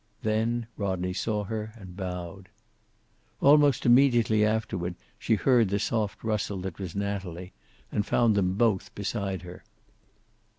Then Rodney saw her, and bowed. Almost immediately afterward she heard the soft rustle that was Natalie, and found them both beside her.